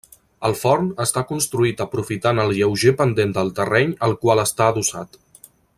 El forn està construït aprofitant el lleuger pendent del terreny al qual està adossat.